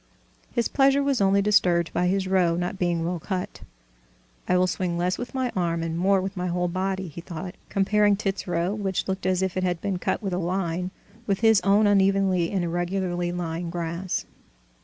His pleasure was only disturbed by his row not being well cut. "I will swing less with my arm and more with my whole body," he thought, comparing Tit's row, which looked as if it had been cut with a line, with his own unevenly and irregularly lying grass.